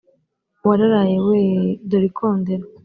wararaye we! dore ikondera.